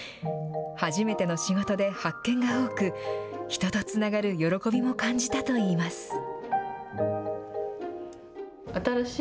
初めての仕事で発見が多く、人とつながる喜びも感じたといいます。